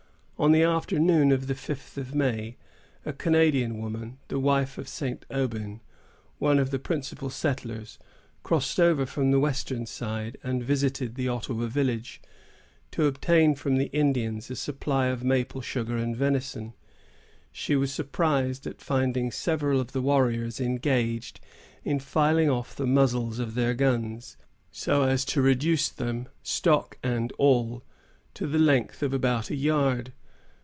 On the afternoon of the fifth of May, a Canadian woman, the wife of St. Aubin, one of the principal settlers, crossed over from the western side, and visited the Ottawa village, to obtain from the Indians a supply of maple sugar and venison. She was surprised at finding several of the warriors engaged in filing off the muzzles of their guns, so as to reduce them, stock and all, to the length of about a yard.